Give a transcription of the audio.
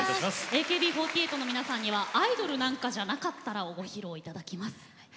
ＡＫＢ４８の皆さんには「アイドルなんかじゃなかったら」をご披露いただきます。